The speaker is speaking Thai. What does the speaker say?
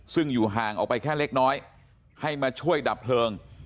ซึ่งอยู่ห่างออกไปแค่เล็กน้อยให้มาช่วยดับเพลิง